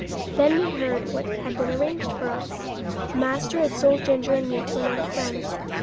Then we heard what had been arranged for us. Master had sold Ginger and me to an old friend.